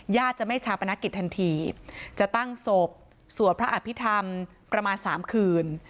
จะไม่ชาปนกิจทันทีจะตั้งศพสวดพระอภิษฐรรมประมาณ๓คืน